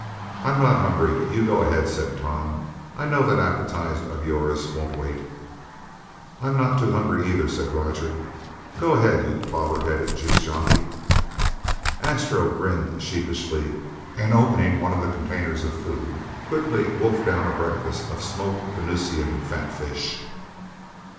"I'm not hungry, but you go ahead," said Tom. "I know that appetite of yours won't wait." "I'm not too hungry either," said Roger. "Go ahead, you clobber headed juice jockey." Astro grinned sheepishly, and opening one of the containers of food, quickly wolfed down a breakfast of smoked Venusian fatfish.